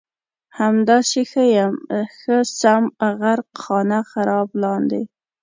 همداسې ښه یم ښه سم غرق خانه خراب لاندې